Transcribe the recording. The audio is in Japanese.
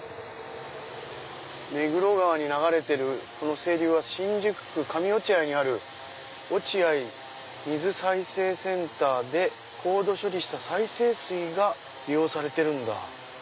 目黒川に流れているこの清流は新宿区上落合にある落合水再生センターで高度処理した再生水が利用されてるんだ。